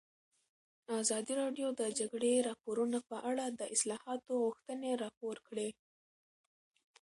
ازادي راډیو د د جګړې راپورونه په اړه د اصلاحاتو غوښتنې راپور کړې.